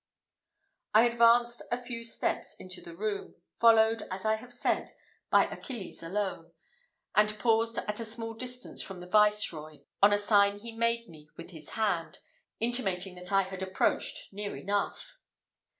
I advanced a few steps into the room, followed, as I have said, by Achilles alone, and paused at a small distance from the Viceroy, on a sign he made me with his hand, intimating that I had approached near enough.